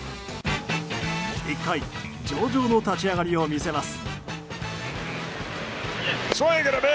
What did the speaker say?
１回、上々の立ち上がりを見せます。